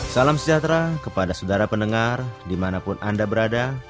salam sejahtera kepada saudara pendengar dimanapun anda berada